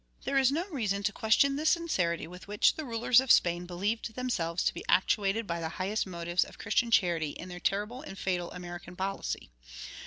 There is no reason to question the sincerity with which the rulers of Spain believed themselves to be actuated by the highest motives of Christian charity in their terrible and fatal American policy.